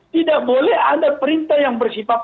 tidak boleh ada perintah yang bersifat